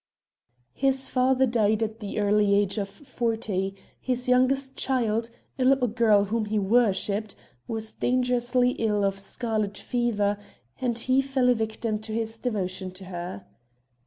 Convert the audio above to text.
His father died at the early age of forty; his youngest child, a little girl whom he worshipped, was dangerously ill of scarlet fever and he fell a victim to his devotion to her.